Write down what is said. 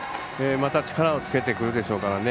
また力をつけてくるでしょうからね。